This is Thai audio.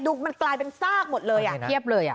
ดูมันกลายเป็นซากหมดเลยอ่ะเทียบเลยอ่ะ